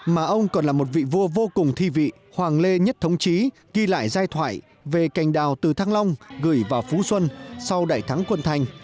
mà ông còn là một vị vua vô cùng thi vị hoàng lê nhất thống trí ghi lại giai thoại về cành đào từ thăng long gửi vào phú xuân sau đại thắng quân thanh